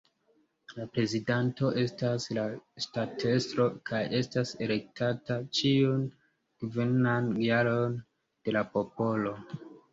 La prezidanto estas la ŝtatestro kaj estas elektata ĉiun kvinan jaron de la popolo.